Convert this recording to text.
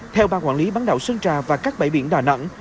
theo ban quản lý bán đạo xuân trà và các bãi biển đà nẵng